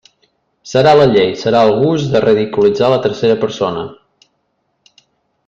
Serà la llei, serà el gust de ridiculitzar la tercera persona?